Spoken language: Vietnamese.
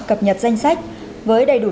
cập nhật danh sách với đầy đủ